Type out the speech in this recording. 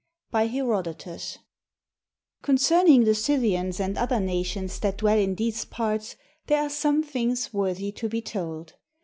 ] BY HERODOTUS Concerning the Scythians and other nations that dwell in these parts there are some things worthy to be told.